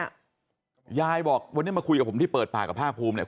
ยายบอกวันนี้มาคุยกับผมที่เปิดปากกับภาคภูมิเนี่ย